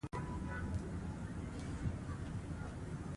فرهنګي بډاینه د یوې ټولنې د خلاقیت او د نوښتګرۍ لپاره خورا اړینه ده.